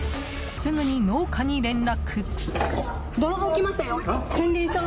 すぐに農家に連絡。